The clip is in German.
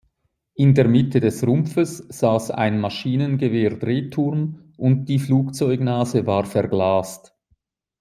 In der Mitte des Rumpfes saß ein Maschinengewehr-Drehturm und die Flugzeugnase war verglast.